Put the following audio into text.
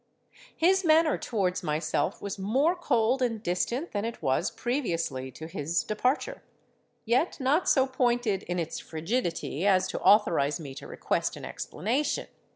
His manner towards myself was more cold and distant than it was previously to his departure,—yet not so pointed in its frigidity as to authorise me to request an explanation.